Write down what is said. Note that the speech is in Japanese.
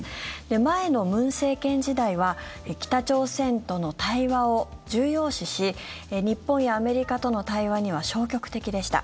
前の文政権時代は北朝鮮との対話を重要視し日本やアメリカとの対話には消極的でした。